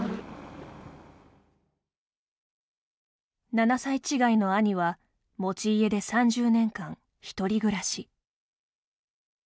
７歳違いの兄は持ち家で３０年間１人暮らし。